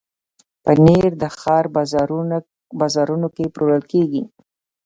پنېر د ښار بازارونو کې پلورل کېږي.